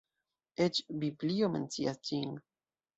Eĉ Biblio mencias ĝin.